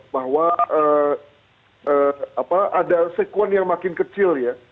bahwa ada sekuen yang makin kecil ya